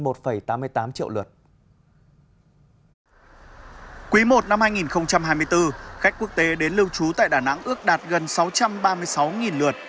quý i năm hai nghìn hai mươi bốn khách quốc tế đến lưu trú tại đà nẵng ước đạt gần sáu trăm ba mươi sáu lượt